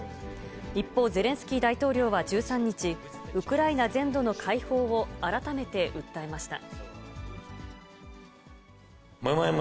一方、ゼレンスキー大統領は１３日、ウクライナ全土の解放を改めて訴えました。